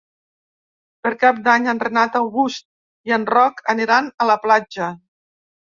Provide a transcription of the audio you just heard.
Per Cap d'Any en Renat August i en Roc aniran a la platja.